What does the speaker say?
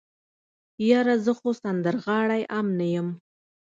يره زه خو سندرغاړی ام نه يم.